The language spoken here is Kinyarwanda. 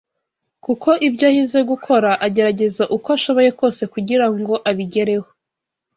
kuko ibyo ahize gukora agerageza uko ashoboye kose kugira ngo abigereho